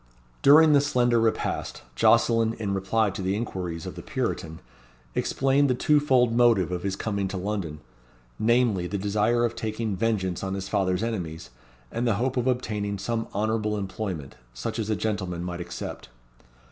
During the slender repast, Jocelyn, in reply to the inquiries of the Puritan, explained the two fold motive of his coming to London; namely, the desire of taking vengeance on his father's enemies, and the hope of obtaining some honourable employment, such as a gentleman might accept.